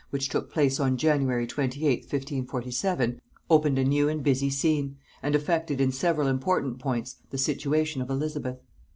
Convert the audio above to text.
which took place on January 28th 1547, opened a new and busy scene, and affected in several important points the situation of Elizabeth.